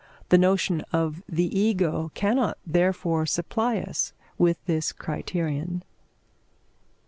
The notion of the Ego cannot therefore supply us with this criterion.